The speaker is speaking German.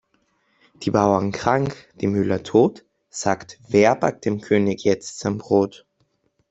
Die Bauern krank, die Müller tot, sagt wer backt dem König jetzt sein Brot?